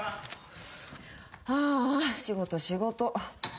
ああ仕事仕事。